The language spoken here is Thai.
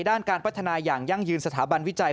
ด้านการพัฒนาอย่างยั่งยืนสถาบันวิจัย